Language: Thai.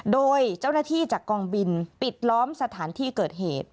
โดยเจ้าหน้าที่จากกองบินปิดล้อมสถานที่เกิดเหตุ